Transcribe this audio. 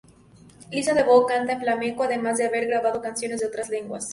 Lisa del Bo canta en flamenco, además de haber grabado canciones en otras lenguas.